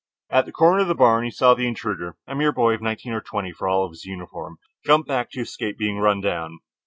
At the corner of the barn he saw the intruder, a mere boy of nineteen or twenty for all of his uniform jump back to escape being run down.